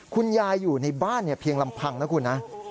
คุณยายอยู่ในบ้านเพียงลำพังนะคุณนะ